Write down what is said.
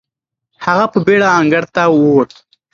هغه په بېړه انګړ ته وووت.